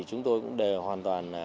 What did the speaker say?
chúng tôi cũng đều hoàn toàn có cái giá trị